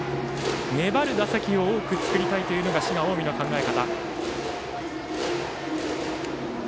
粘る打席を多く作りたいというのが滋賀・近江の考え方。